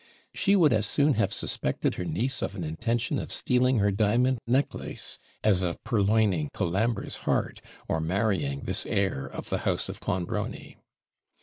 She would as soon have suspected her niece of an intention of stealing her diamond necklace as of purloining Colambre's heart, or marrying this heir of the house of Clonbrony.